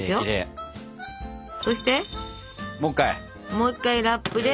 もう一回ラップで。